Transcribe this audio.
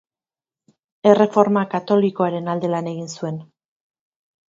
Erreforma Katolikoaren alde lan egin zuen.